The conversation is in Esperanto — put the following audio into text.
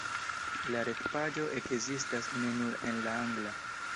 La retpaĝo ekzistas ne nur en la angla.